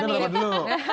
budgetnya berapa dulu